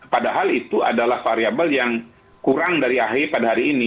padahal itu adalah variable yang kurang dari ahy pada hari ini